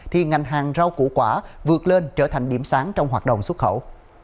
thì ngành hàng rau củ quả vượt lên trở thành điểm sáng trong hoạt động xuất khẩu